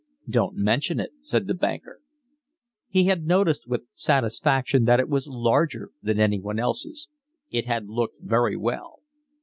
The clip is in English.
"Don't mention it," said the banker. He had noticed with satisfaction that it was larger than anyone's else. It had looked very well.